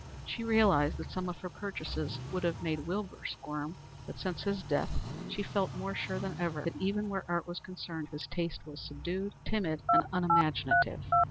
She realized that some of her purchases would have made Wilbur squirm, but since his death she felt more sure than ever that even where art was concerned his taste was subdued, timid, and unimaginative.